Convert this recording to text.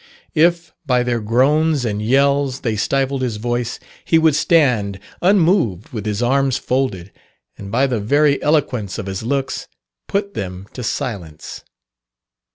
If, by their groans and yells, they stifled his voice, he would stand unmoved with his arms folded, and by the very eloquence of his looks put them to silence.